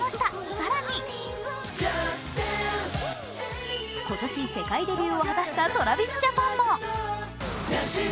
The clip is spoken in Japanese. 更に今年世界デビューを果たしたＴｒａｖｉｓＪａｐａｎも。